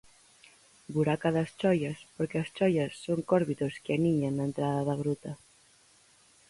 Buraca das choias, porque as choias son córvidos que aniñan na entrada da gruta.